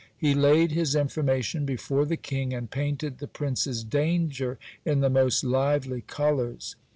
He laid his information before the king, and painted the prince's danger in the most lively colours.